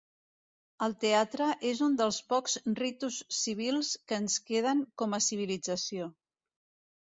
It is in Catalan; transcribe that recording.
El teatre és un dels pocs ritus civils que ens queden com a civilització.